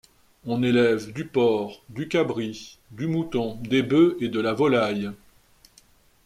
On élève du porc, du cabri, du mouton des bœufs et de la volaille.